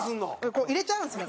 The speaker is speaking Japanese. こう入れちゃうんですね